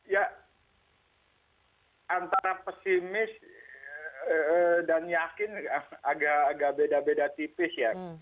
ya antara pesimis dan yakin agak agak beda beda tipis ya